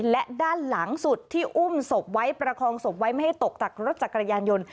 และด้านหลังสุดที่อุ้มศพไว้ประคองศพไว้ไม่ให้ตกจากรถจักรยานยนต์